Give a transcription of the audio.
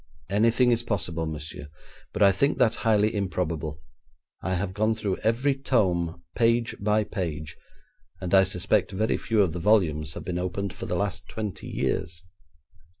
'Anything is possible, monsieur, but I think that highly improbable. I have gone through every tome, page by page, and I suspect very few of the volumes have been opened for the last twenty years.'